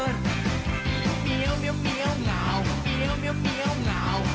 เลี้ยงเหงาเหงาเหงา